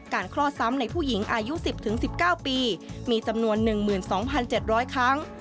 คลอดซ้ำในผู้หญิงอายุ๑๐๑๙ปีมีจำนวน๑๒๗๐๐ครั้ง